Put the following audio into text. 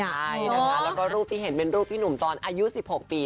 และรูปที่เห็นเป็นรูปพี่หนุ่มตอนอายุ๑๖ปี